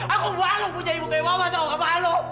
aku malu punya ibu kayak mama tahu nggak malu